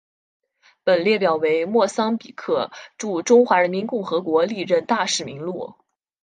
本列表为莫桑比克驻中华人民共和国历任大使名录。